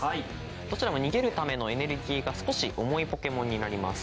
どちらも逃げるためのエネルギーが少し重いポケモンになります。